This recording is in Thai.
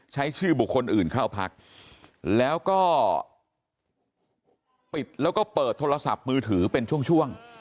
ใช้ชื่อบุคคลอื่นเข้าพักแล้วก็ปิดแล้วก็เปิดโทรศัพท์มือถือเป็นช่วง